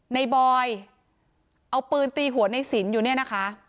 บอยเอาปืนตีหัวในสินอยู่เนี่ยนะคะ